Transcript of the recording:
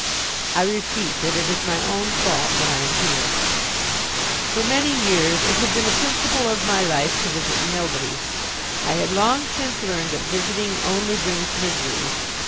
I repeat that it is my own fault that I am here. For many years it had been a principle of my life to visit nobody. I had long since learned that visiting only brings misery.